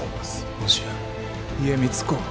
もしや家光公は。